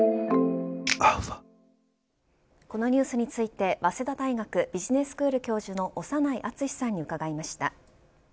このニュースについて早稲田大学ビジネススクール教授の長内厚さんに伺いました。